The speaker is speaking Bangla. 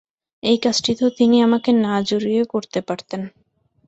এই কাজটি তো তিনি আমাকে না-জড়িয়ে করতে পারতেন।